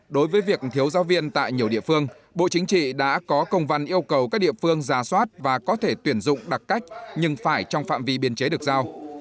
đối với việc thiếu giáo viên tại nhiều địa phương bộ chính trị đã có công văn yêu cầu các địa phương ra soát và có thể tuyển dụng đặc cách nhưng phải trong phạm vi biên chế được giao